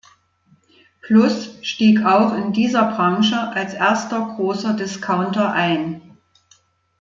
Plus stieg auch in dieser Branche als erster, großer Discounter ein.